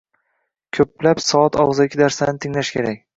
ko‘plab soat og‘zaki darslarni tinglash kerak.